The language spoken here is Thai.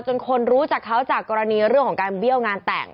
คนรู้จักเขาจากกรณีเรื่องของการเบี้ยวงานแต่ง